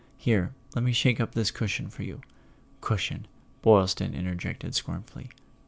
Here, let me shake up this cushion for you " ("Cushion!" Boylston interjected scornfully.)